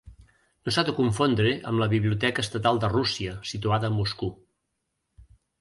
No s'ha de confondre amb la Biblioteca Estatal de Rússia, situada a Moscou.